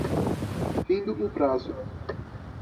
Findo o prazo